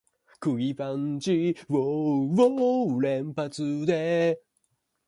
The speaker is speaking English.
Goya Foods started to supply Safeway's Supermarket in Harlem and the rest soon followed.